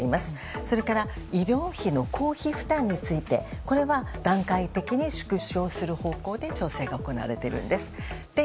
それから医療費の公費負担についてこれは段階的に縮小する方向で調整が行われているんです。